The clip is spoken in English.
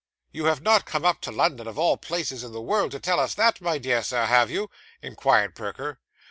'You have not come up to London, of all places in the world, to tell us that, my dear Sir, have you?' inquired Perker.